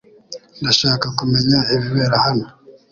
Ndashaka kumenya ibibera hano .